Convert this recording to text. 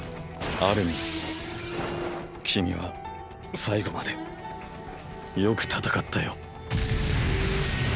アルミン君は最期までよく戦ったよ。